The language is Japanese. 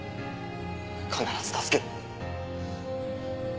必ず助ける。